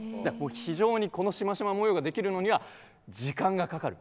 非常にこのシマシマ模様ができるのには時間がかかる。